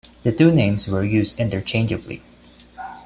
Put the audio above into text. The two names were used interchangeably.